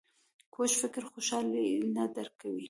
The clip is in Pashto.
کوږ فکر خوشحالي نه درک کوي